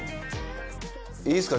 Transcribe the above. いいっすか？